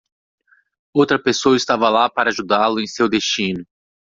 Outra pessoa estava lá para ajudá-lo em seu destino.